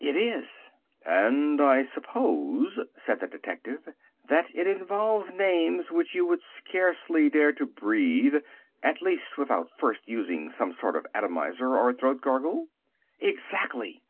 "It is." "And I suppose," said the detective, "that it involves names which you would scarcely dare to breathe, at least without first using some kind of atomiser or throat gargle." "Exactly."